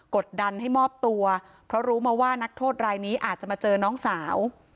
กดดันให้มอบตัวเพราะรู้มาว่านักโทษรายนี้อาจจะมาเจอน้องสาว